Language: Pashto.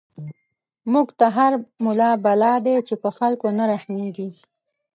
موږ ته هر ملا بلا دی، چی په خلکو نه رحميږی